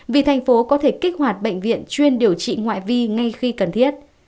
vì thành phố có thể kích hoạt bệnh viện chuyên điều trị ngoại vi ngay khi cần thiết